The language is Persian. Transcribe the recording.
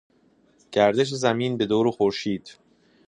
گردش زمین بدور خورشید